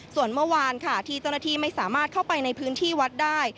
ส่วนเมื่อวานค่ะที่เจ้าหน้าที่ไม่สามารถเข้าไปในพื้นที่วัดได้